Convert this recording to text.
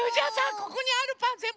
ここにあるパンぜんぶ